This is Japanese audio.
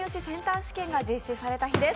試験が実施された日です。